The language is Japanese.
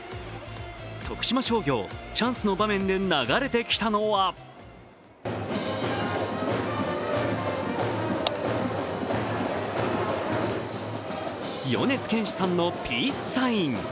徳島商業、チャンスの場面で流れてきたのは米津玄師さんの「ピースサイン」。